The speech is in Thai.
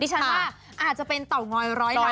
ดิฉันว่าอาจจะเป็นเต่าง้อยร้อยล้านได้